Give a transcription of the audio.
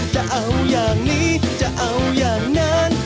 จะเอาอย่างนี้จะเอาอย่างนั้น